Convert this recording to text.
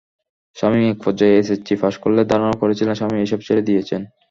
শামীম একপর্যায়ে HSC pass করলে ধারণা করেছিলেন, শামীম এসব ছেড়ে দিয়েছেন।